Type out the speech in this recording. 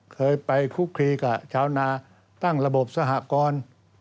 เคยไปคุกคลีกับชาวนาตั้งระบบสหกร